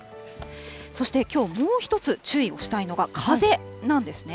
そしてきょう、もう一つ注意をしたいのが風なんですね。